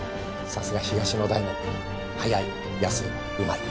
さすが東の大門早い安いうまい。